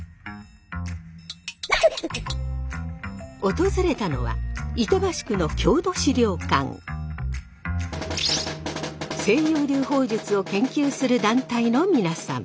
訪れたのは西洋流砲術を研究する団体の皆さん。